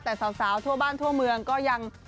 แต่สาวทั่วบ้านทั่วเมืองก็ยัง